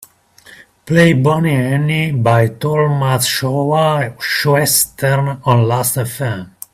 Play Bonnie Annie by Tolmatschowa-schwestern on last fm.